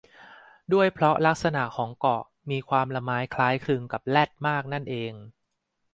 ด้วยเพราะลักษณะของเกาะมีความละม้ายคล้ายคลึงกับแรดมากนั่นเอง